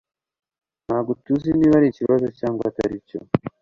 Ntabwo tuzi niba ari ikibazo cyangwa atari cyo